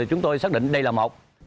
chúng tôi xác định đây là một